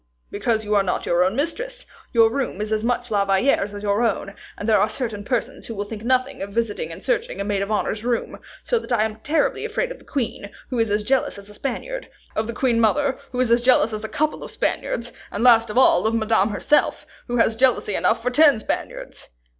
"Because you are not your own mistress; your room is as much La Valliere's as yours; and there are certain persons who will think nothing of visiting and searching a maid of honor's room; so that I am terribly afraid of the queen, who is as jealous as a Spaniard; of the queen mother, who is as jealous as a couple of Spaniards; and, last of all, of Madame herself, who has jealousy enough for ten Spaniards."